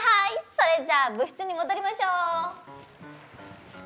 それじゃ部室に戻りましょう。